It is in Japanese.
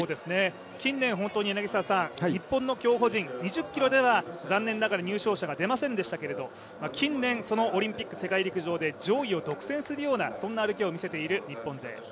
近年本当に日本の競歩陣、２０ｋｍでは残念ながら入賞者は出ませんでしたけれども近年、世界陸上、オリンピックで上位を独占するそんな歩きを見せている日本勢